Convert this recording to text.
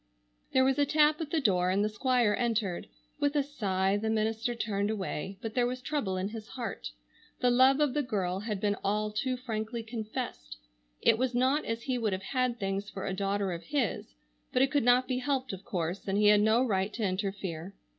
There was a tap at the door and the Squire entered. With a sigh the minister turned away, but there was trouble in his heart. The love of the girl had been all too frankly confessed. It was not as he would have had things for a daughter of his, but it could not be helped of course, and he had no right to interfere.